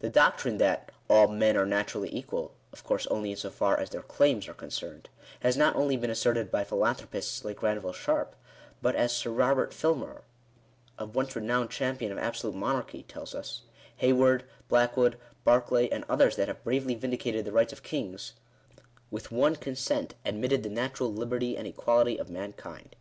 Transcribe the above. The doctrine that " all men are naturally equal" (of course only in so far as their claims are concerned), has not only been asserted by philanthropists like Granville Sharpe, but as Sir Robert Filmer, a once renowned champion of absolute monarchy, tells us, " Heyward, Blackwood, Barclay, and others that have bravely vindicated the rights of kings, with one consent admitted the natural liberty and equality of mankind."